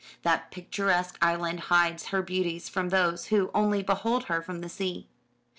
That picturesque island hides her beauties from those who only behold her from the sea.